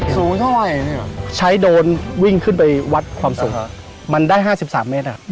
สูงเท่าไหร่เนี่ยใช้โดรนวิ่งขึ้นไปวัดความสูงมันได้๕๓เมตร